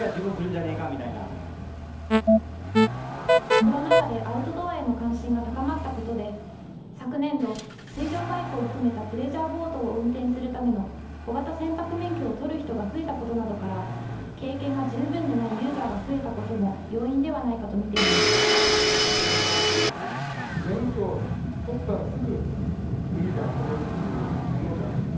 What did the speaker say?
コロナ禍でアウトドアへの関心が高まったことで昨年度、水上バイクを含めたプレジャーボートを運転するための小型船舶免許を取る人が増えたことなどから経験が十分でないユーザーが増えたことも要因ではないかと見ています。